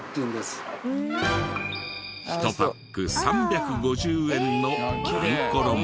１パック３５０円のあんころ餅。